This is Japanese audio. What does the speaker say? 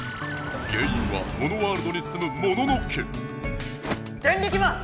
原いんはモノワールドにすむモノノ家「デンリキマン！」。